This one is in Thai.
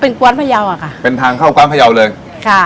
เป็นกว้านพยาวอ่ะค่ะเป็นทางเข้ากว้านพยาวเลยค่ะ